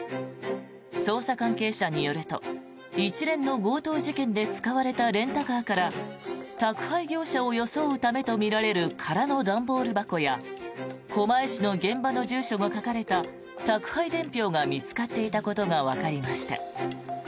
捜査関係者によると一連の強盗事件で使われたレンタカーから宅配業者を装うためとみられる空の段ボール箱や狛江市の現場の住所が書かれた宅配伝票が見つかっていたことがわかりました。